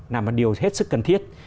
là một điều hết sức cần thiết